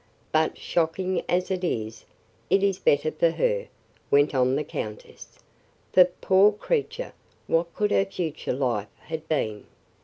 "But, shocking as it is, it is better for her," went on the countess; "for, poor creature what could her future life had been?"